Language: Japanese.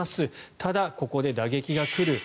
ただ、ここで打撃が来る。